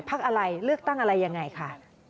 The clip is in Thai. พักอะไรเลือกตั้งอะไรยังไงค่ะ